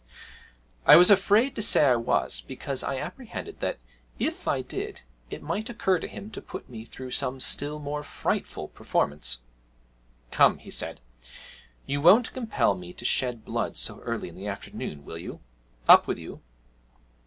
I was afraid to say I was, because I apprehended that, if I did, it might occur to him to put me through some still more frightful performance. 'Come,' he said, 'you won't compel me to shed blood so early in the afternoon, will you? Up with you.'